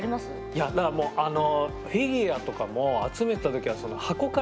いやだからもうフィギュアとかも集めてた時は箱から出さない。